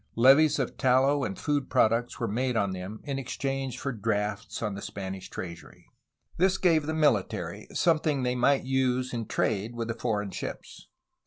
Levies of tallow and food products were made on them in exchange for drafts on the Spanish treasury. This gave the military something they might use in trade with the foreign ships.